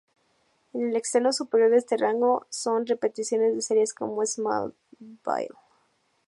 En el extremo superior de este rango son repeticiones de series como "Smallville".